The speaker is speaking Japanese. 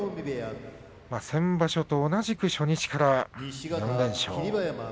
先場所と同じく初日から４連勝。